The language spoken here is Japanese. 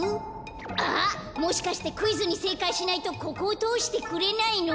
あっもしかしてクイズにせいかいしないとここをとおしてくれないの？